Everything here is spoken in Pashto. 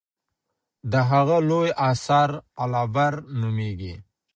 د هغه لوی اثر العبر نومېږي.